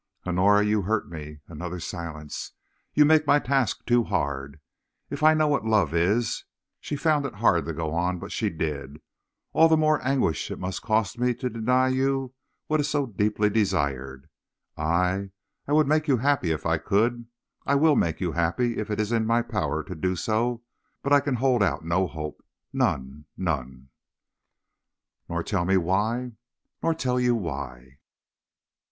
"Honora, you hurt me." Another silence. "You make my task too hard. If I know what love is " She found it hard to go on; but she did "all the more anguish it must cost me to deny you what is so deeply desired. I I would make you happy if I could. I will make you happy if it is in my power to do so, but I can hold out no hope none, none." "Nor tell me why?" "Nor tell you why."